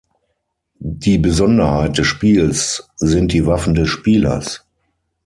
Die Besonderheit des Spiels sind die Waffen des Spielers.